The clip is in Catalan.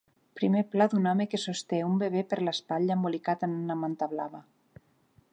Primer pla d'un home que sosté un bebè per l'espatlla embolicat en una manta blava.